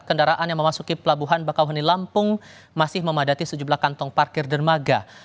kendaraan yang memasuki pelabuhan bakauheni lampung masih memadati sejumlah kantong parkir dermaga